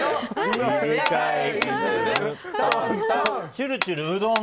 ちゅるちゅるうどん。